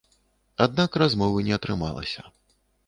Аднак размовы не атрымалася.